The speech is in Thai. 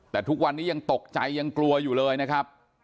แต่ทุกวันนี้ยังตกใจยังกลัวอยู่เลยนะครับ